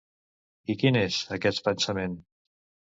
I quin és, aquest pensament?